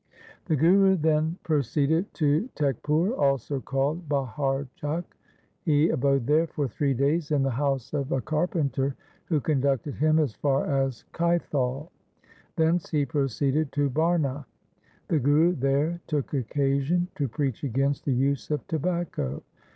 The Guru then proceeded to Tekpur also called Baharjakh. He abode there for three days in the house of a carpenter who conducted him as far as Kaithal. Thence he proceeded to Barna. The Guru there took occasion to preach against the use of tobacco.